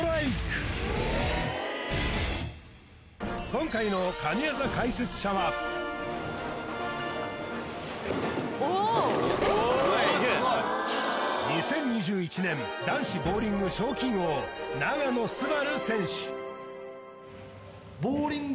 今回の２０２１年男子ボウリング賞金王永野すばる選手